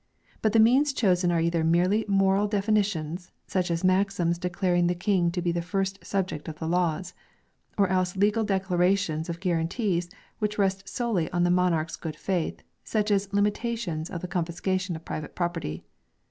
But the means chosen are either merely moral definitions such as maxims declaring the King to be the first subject of the laws or else legal declarations of guarantees which rest solely on the monarch's good faith, such as limita tions of the confiscation of private property.